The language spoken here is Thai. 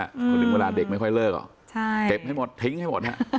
เพราะฉะนั้นเวลาเด็กไม่ค่อยเลิกออกเก็บให้หมดทิ้งให้หมดฮะ